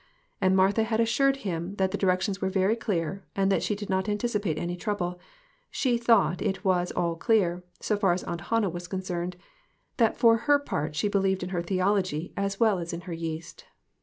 And Martha had assured him that the directions were very clear, and that she did not anticipate any trouble ; she thought it was all clear, so far as Aunt Hannah was concerned; that for her part she believed in her theology, as well as in her yeast.